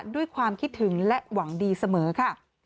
ด้วยความคิดถึงและหวังดีเสมอค่ะ